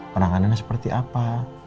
peranganannya seperti apa